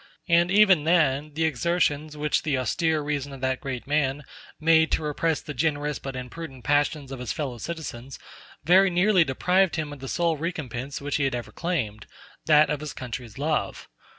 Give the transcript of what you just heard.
And even then, the exertions which the austere reason of that great man made to repress the generous but imprudent passions of his fellow citizens, very nearly deprived him of the sole recompense which he had ever claimed—that of his country's love.